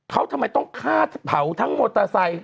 เขาทำไมต้องฆ่าเผาทั้งโมทอไซค์